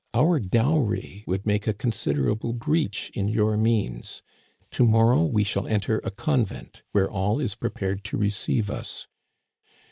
Our dowry would make a considerable breach in your means. To morrow we shall enter a convent, where all is prepared to receive us.'